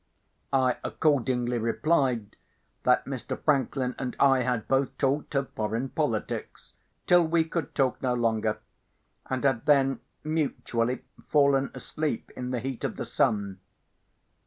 I accordingly replied that Mr. Franklin and I had both talked of foreign politics, till we could talk no longer, and had then mutually fallen asleep in the heat of the sun.